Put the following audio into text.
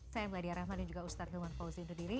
saya meladia rahman dan juga ustadz hilman fauzi undur diri